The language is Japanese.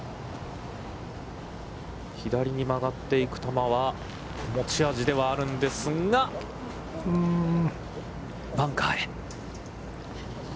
左に曲がっていく球は持ち味ではあるんですが、バンカーへ。